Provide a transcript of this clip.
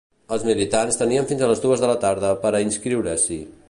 Els militants tenien fins les dues de la tarda per a inscriure-s’hi.